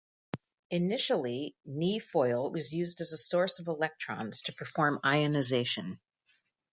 Initially, Ni foil was used as a source of electrons to perform ionization.